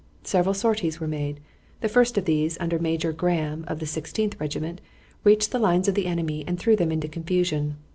Several sorties were made. The first of these, under Major Graham of the Sixteenth Regiment, reached the lines of the enemy and threw them into confusion.